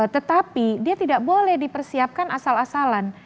tetapi dia tidak boleh dipersiapkan asal asalan